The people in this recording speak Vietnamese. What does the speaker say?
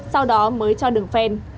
sau đó mới cho đường phen